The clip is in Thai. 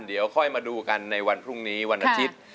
เดี๋ยวค่อยมาดูกันในวันพรุ่งนี้วันอาทิตย์